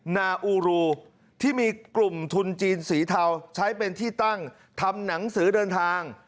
นาอูรูที่มีกลุ่มทุนจีนสีเทาใช้เป็นที่ตั้งทำหนังสือเดินทาง